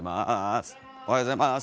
おはようございます。